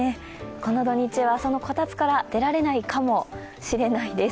この土日はそのこたつから出られないかもしれないです。